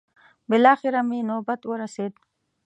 بلاخره مې نوبت ورسېد.